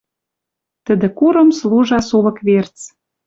Тӹдӹ курым служа сулык верц.